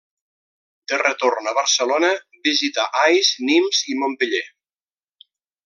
De retorn a Barcelona, visità Ais, Nimes i Montpeller.